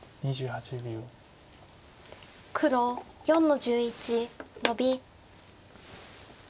黒４の十一ノビ。